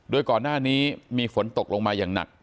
โดยก่อนหน้านี้มีฝนตกลงมาอย่างหนัก